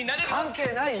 関係ないよ！